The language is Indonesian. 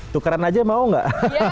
tuh keren aja mau gak